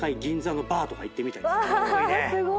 すごい！